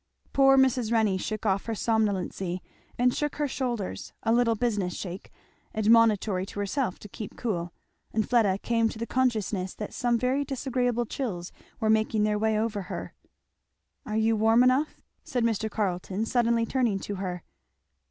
Poor Mrs. Renney shook off her somnolency and shook her shoulders, a little business shake, admonitory to herself to keep cool; and Fleda came to the consciousness that some very disagreeable chills were making their way over her. "Are you warm enough?" said Mr. Carleton suddenly, turning to her.